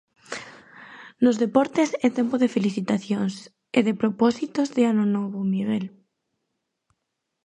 Nos deportes, é tempo de felicitacións e de propósitos de ano novo, Miguel.